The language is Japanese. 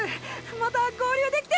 また合流できて。